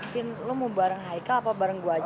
fin lu mau bareng haika apa bareng gua aja